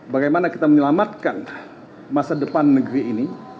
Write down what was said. bagaimana kita menyelamatkan masa depan negeri ini